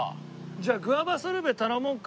じゃあグァバソルベ頼もうか。